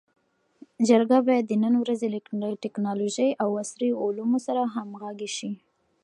جرګه باید د نن ورځې له ټکنالوژۍ او عصري علومو سره همږغي سي.